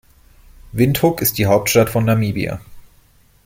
Windhoek ist die Hauptstadt von Namibia.